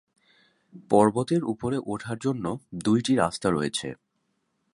পর্বতের উপরে উঠার জন্য দুইটি রাস্তা রয়েছে।